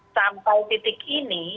sampai titik ini